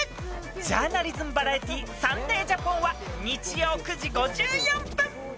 ジャーナリズム・バラエティサンデージャポンは日曜９時５４分